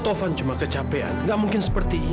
taufan kenapa kamu jadi seperti ini nak